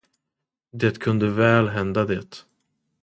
Det kunde väl hända det.